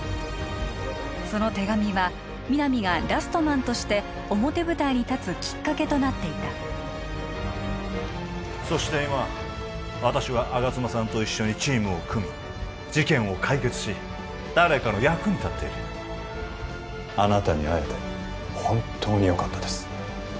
その手紙は皆実がラストマンとして表舞台に立つきっかけとなっていたそして今私は吾妻さんと一緒にチームを組み事件を解決し誰かの役に立っているあなたに会えて本当によかったです